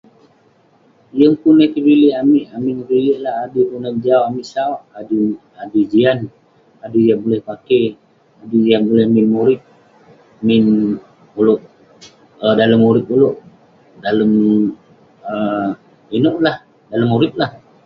Yeng pun eh kevilik amik. Amik kevilik lak adui kelunan jau, adui- adui jian, adui yah buleh pakey. Adui yah buleh min urip. Min ulouk um dalem urip ulouk, dalem um inouk lah. Dalem urip lah.